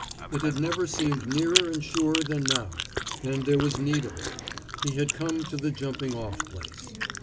It had never seemed nearer and surer than now, and there was need of it. He had come to the jumping off place.